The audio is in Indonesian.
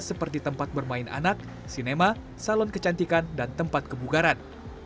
seperti tempat bermain anak sinema salon kecantikan dan tempat kebugaran